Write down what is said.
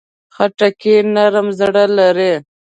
خټکی نرم زړه لري.